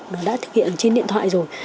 nó đã thực hiện trên điện thoại rồi